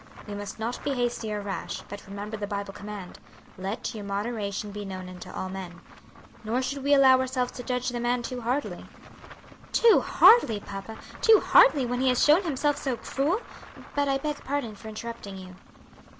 We must not be hasty or rash, but remember the Bible command, 'Let your moderation be known unto all men.' Nor should we allow ourselves to judge the man too hardly." "Too hardly, papa! too hardly, when he has shown himself so cruel! But I beg pardon for interrupting you."